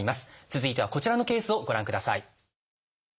続いてはこちらのケースをご覧ください。